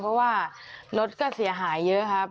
เพราะว่ารถก็เสียหายเยอะครับ